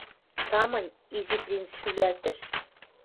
Самынь, — Изи принц шӱлӓлтӹш.